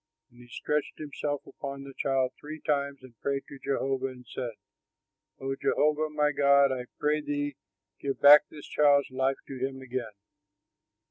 And he stretched himself upon the child three times and prayed to Jehovah and said, "O Jehovah, my God, I pray thee, give back this child's life to him again."